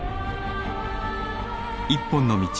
「一本の道」